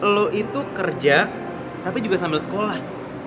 lo itu kerja tapi juga sambil sekolah